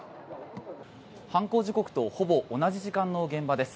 犯行時刻とほぼ同じ時間の現場です。